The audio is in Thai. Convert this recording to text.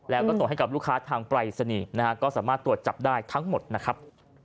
แล้วก็ส่งให้กับลูกค้าทางปรายศนีย์นะฮะก็สามารถตรวจจับได้ทั้งหมดนะครับ